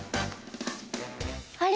あれ？